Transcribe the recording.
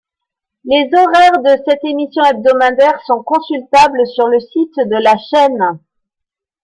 Les horaires de cette émission hebdomadaire sont consultables sur le site de la chaîne.